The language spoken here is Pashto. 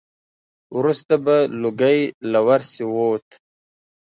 وروسته به لوګی له ورسی ووت.